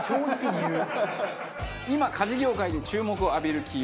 今家事業界で注目を浴びるキーワード